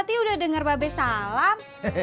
lu udah denger babbe salam